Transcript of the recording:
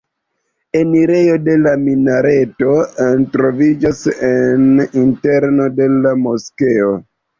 Enirejo de la minareto troviĝas en interno de la moskeo.